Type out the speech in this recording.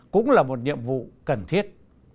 cũng là một nhiệm vụ cần thiết